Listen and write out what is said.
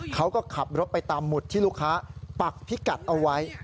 เขาก็ขับรถไปตามหุดที่ลูกค้าปักพิกัดเอาไว้